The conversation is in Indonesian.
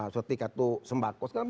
seperti kartu sembako